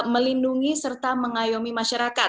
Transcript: melindungi serta mengayomi masyarakat